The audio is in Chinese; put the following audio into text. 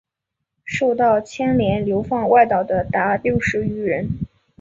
受到牵连流放外岛的达六十余人。